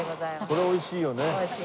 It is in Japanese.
これ美味しいよね。